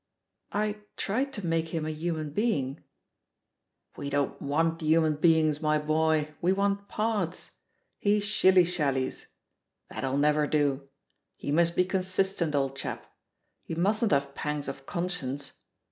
'I tried to make him a human being/* We don't want htmian beings, my boy, we want parts. He shilly shallies. That'll never do ; he must be consistent, old chap ; he mustn't have pangs of conscience.